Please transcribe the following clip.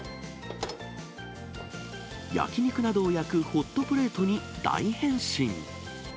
焼き肉などを焼くホットプレートに大変身。